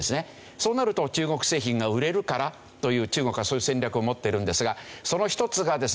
そうなると中国製品が売れるからという中国はそういう戦略を持ってるんですがその一つがですね